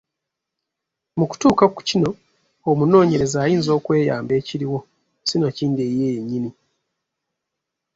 Mu kutuuka ku kino omunoonyereza ayinza okweyamba ekiriwo sinakindi eyiye yennyini.